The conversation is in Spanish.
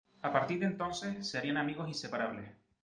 A partir de entonces se harían amigos inseparables.